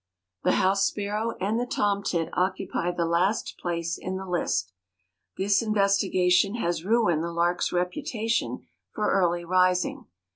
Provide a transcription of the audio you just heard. The house sparrow and the tomtit occupy the last place in the list. This investigation has ruined the lark's reputation for early rising.